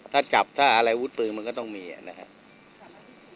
ถ้าจับถ้าอะไรวุธปืนมันก็ต้องมีนะครับ